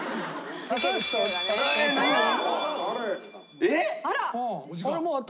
えっ？